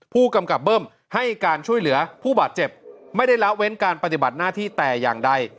ผู้กำกับเบิ้มให้การช่วยเหลือผู้บาดเจ็บไม่ได้ละเว้นการปฏิบัติหน้าที่แต่อย่างใด